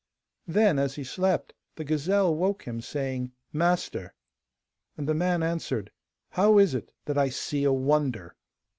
Then, as he slept, the gazelle woke him, saying, 'Master.' And the man answered, 'How is it that I see a wonder?